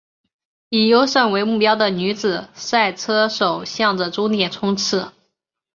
以优胜为目标的女子赛车手向着终点冲刺！